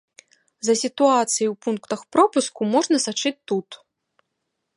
За сітуацыяй у пунктах пропуску можна сачыць тут.